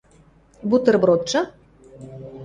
– Бутербродшы?